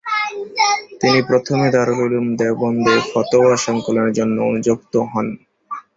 তিনি প্রথমে দারুল উলুম দেওবন্দে ফতোয়া সংকলনের জন্য নিযুক্ত হন।